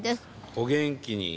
お元気に。